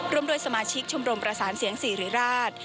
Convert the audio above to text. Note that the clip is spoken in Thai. ด้วยสมาชิกชมรมประสานเสียงสิริราช